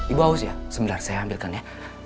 ibu aus ya sebentar saya ambilkan ya